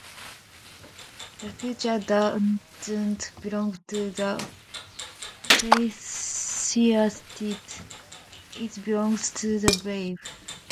The future doesn't belong to the fainthearted; it belongs to the brave.